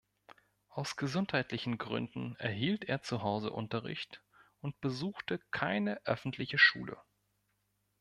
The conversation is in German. Aus gesundheitlichen Gründen erhielt er zuhause Unterricht und besuchte keine öffentliche Schule.